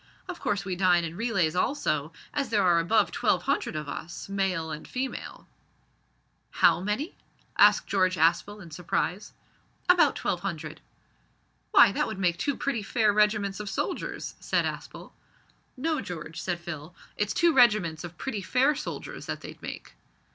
Of course we dine in relays also, as there are above twelve hundred of us, male and female." "How many?" asked George Aspel in surprise. "Above twelve hundred." "Why, that would make two pretty fair regiments of soldiers," said Aspel. "No, George," said Phil, "it's two regiments of pretty fair soldiers that they'd make."